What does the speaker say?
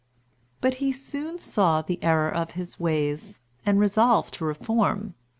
But he soon saw the error of his ways, and resolved to reform.